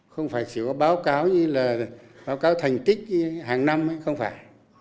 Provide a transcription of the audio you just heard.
không phải chỉ có báo cáo thành tích hàng năm ấy không phải